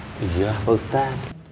aku akan menelusuri ayo